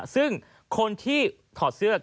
ซึ่งคนที่ถอดเสื้อ